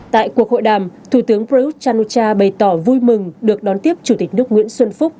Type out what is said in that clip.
tại cuộc hội đàm thủ tướng preu chan o cha bày tỏ vui mừng được đón tiếp chủ tịch nước nguyễn xuân phúc